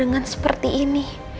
dengan seperti ini